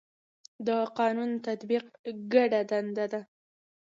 د قانون تطبیق ګډه دنده ده